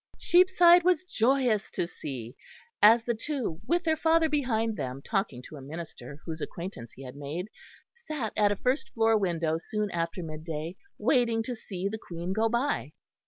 Cheapside was joyous to see, as the two, with their father behind them talking to a minister whose acquaintance he had made, sat at a first floor window soon after mid day, waiting to see the Queen go by.